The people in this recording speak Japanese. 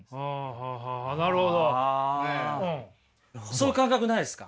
そういう感覚ないですか？